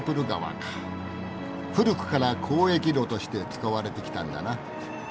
古くから交易路として使われてきたんだな。